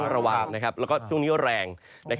แล้วก็ช่วงนี้ก็แรง